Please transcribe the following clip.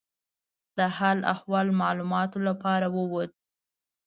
د حال احوال معلومولو لپاره ووت.